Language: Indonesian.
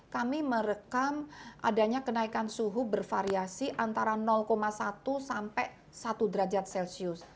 kami merekam adanya kenaikan suhu bervariasi antara satu sampai satu derajat celcius